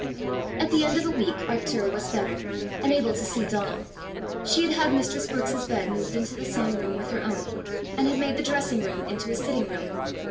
At the end of a week Arctura was better, and able to see Donal. She had had mistress Brookes's bed moved into the same room with her own, and had made the dressing room into a sitting room.